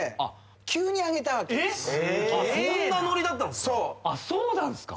そんなノリだったんですか？